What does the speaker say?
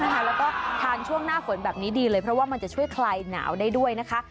แล้วก็ทานช่วงหน้าฝนแบบนี้ดีเลยเพราะว่ามันจะช่วยคลายหนาวได้ด้วยนะคะ